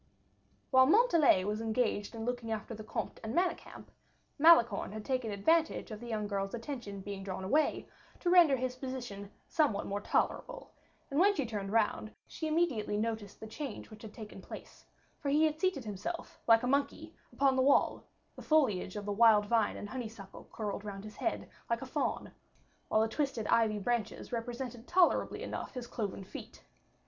While Montalais was engaged in looking after the comte and Manicamp, Malicorne had taken advantage of the young girl's attention being drawn away to render his position somewhat more tolerable, and when she turned round, she immediately noticed the change which had taken place; for he had seated himself, like a monkey, upon the wall, the foliage of the wild vine and honeysuckle curled around his head like a faun, while the twisted ivy branches represented tolerably enough his cloven feet.